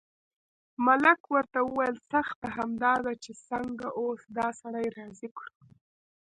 ملک ورته وویل سخته همدا ده چې څنګه اوس دا سړی راضي کړو.